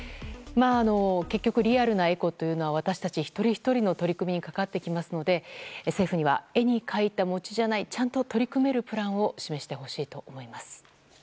結局リアルなエコというのは私たち一人ひとりの取り組みにかかってきますので政府には、絵に描いた餅じゃないちゃんと取り組めるプランを示してほしいと思います。